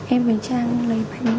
em với trang lấy bánh